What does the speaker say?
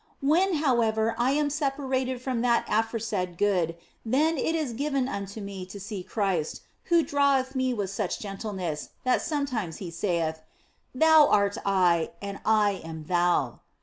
When, however, I am separated from that aforesaid Good then is it given unto me to see Christ, who draweth me with such gentleness that sometimes He saith, " Thou art I, and I am them."